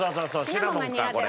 シナモンかこれ。